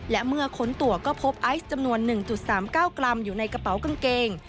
และเมื่อค้นตัวก็พบไอซ์จำนวน๑๓๙กรัมอยู่ในกระเป๋ากางเกง